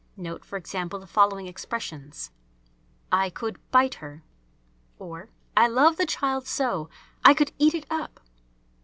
Note, for example, the following expressions: "I could bite her"; or, "I love the child so I could eat it up!"